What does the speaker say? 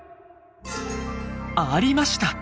ありました！